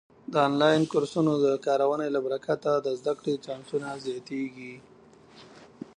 د آنلاین کورسونو د کارونې له برکته د زده کړې چانسونه زیاتېږي.